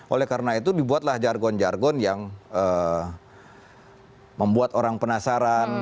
oleh karena itu dibuatlah jargon jargon yang membuat orang penasaran